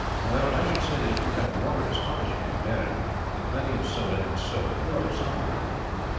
However, I should say that if you have water as hot as you can bear it, with plenty of soda and soap, it will do something for you.